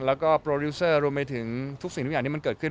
แล้วก็โปรดิวเซอร์รวมไปถึงทุกสิ่งทุกอย่างที่มันเกิดขึ้น